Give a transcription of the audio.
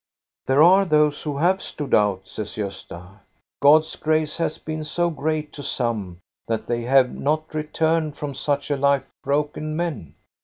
" There are those who have stood out," says Gosta. "God's grace has been so great to some that they have not returned from such a life broken men.